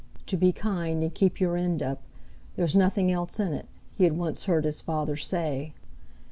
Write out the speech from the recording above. "To be kind and keep your end up—there's nothing else in it," he had once heard his father say.